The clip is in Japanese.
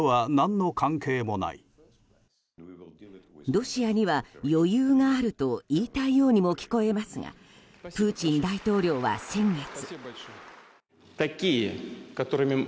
ロシアには余裕があると言いたいようにも聞こえますがプーチン大統領は先月。